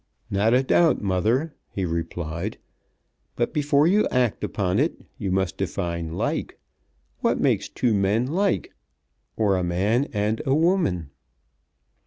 "Not a doubt, mother," he replied; "but before you act upon it you must define 'like.' What makes two men like or a man and a woman?"